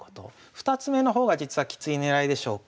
２つ目の方が実はきつい狙いでしょうか。